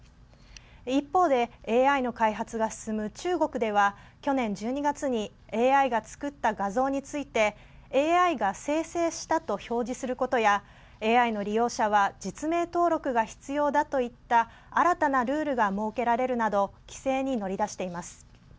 一方でＡＩの開発が進む中国では去年１２月にＡＩが作った画像についてＡＩが生成したと表示することやＡＩの利用者は実名登録が必要だといった新たなルールが設けられるなど規制に乗り出しています。